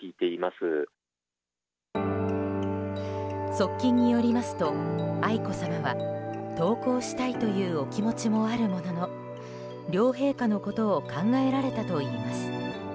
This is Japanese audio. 側近によりますと愛子さまは登校したいというお気持ちもあるものの両陛下のことを考えられたといいます。